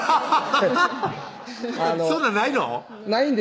そんなんないの？